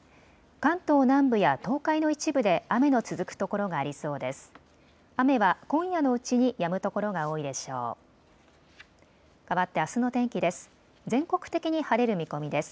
関東南部や東海の一部で雨の続く所がありそうです。